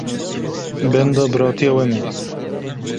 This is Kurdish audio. Benda biratiya we me.